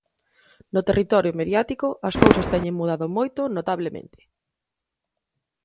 No territorio mediático, as cousas teñen mudado notabelmente.